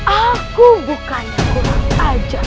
aku bukannya kurang ajar